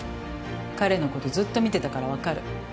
「彼の事ずっと見てたからわかる」